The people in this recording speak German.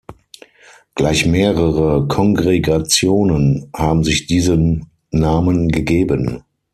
Gleich mehrere Kongregationen haben sich diesen Namen gegeben.